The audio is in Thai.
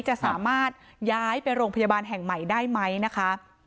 จะสามารถย้ายไปโรงพยาบาลแห่งใหม่ได้ไหมนะคะ